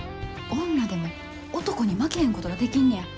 女でも男に負けへんことができんねや。